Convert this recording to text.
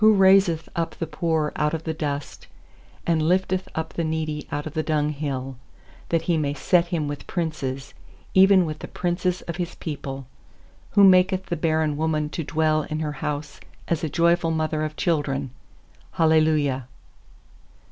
raiseth up the poor out of the dust, And lifteth up the needy out of the dunghill; 8That He may set him with princes, Even with the princes of His people. Who maketh the barren woman to dwell in her house As a joyful mother of children. Hallelujah.